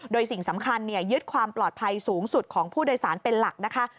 โดยสิ่งสำคัญยึดความปลอดภัยสูงสุดของผู้โดยสารเป็นหลักนะคะ